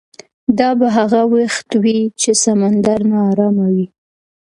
دا به هغه وخت وي چې سمندر ناارامه وي.